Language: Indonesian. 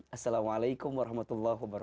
assalamualaikum wr wb